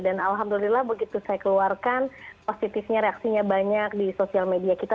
dan alhamdulillah begitu saya keluarkan positifnya reaksinya banyak di sosial media kita